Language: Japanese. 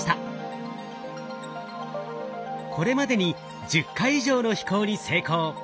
これまでに１０回以上の飛行に成功。